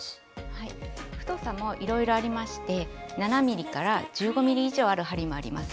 太さもいろいろありまして７．０ｍｍから１５ｍｍ以上ある針もあります。